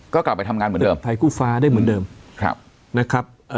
ก็กลับไปทำงานเหมือนเดิมไทยคู่ฟ้าได้เหมือนเดิมนะครับ